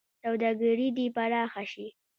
سوداګري دې پراخه شي.